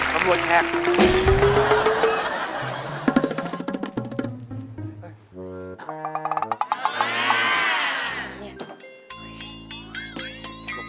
รับรวมแพลก